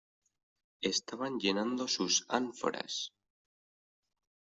estaban llenando sus ánforas.